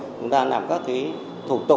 chúng ta làm các cái thủ tục